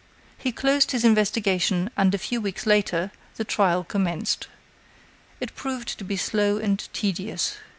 He closed his investigation, and, a few weeks later, the trial commenced. It proved to be slow and tedious.